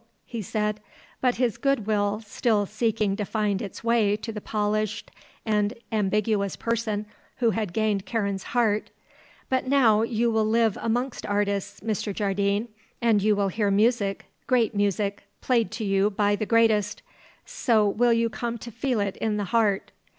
he said; but, his good will still seeking to find its way to the polished and ambiguous person who had gained Karen's heart, "But now you will live amongst artists, Mr. Jardine, and you will hear music, great music, played to you by the greatest. So you will come to feel it in the heart."